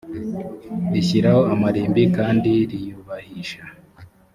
rishyiraho amarimbi kandi riyubahisha